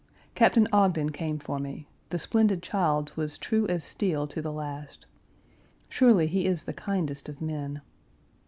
Captain Ogden came for me; the splendid Childs was true as steel to the last. Surely he is the kindest of men.